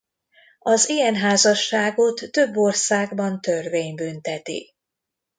Az ilyen házasságot több országban törvény bünteti.